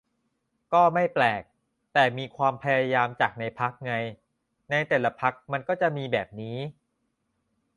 ก็ไม่แปลก แต่มีความพยายามจากในพรรคไง ในแต่ละพรรคมันก็มีแบบนี้